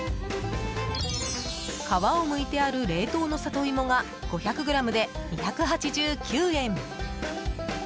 皮をむいてある冷凍のサトイモが５００ｇで２８９円。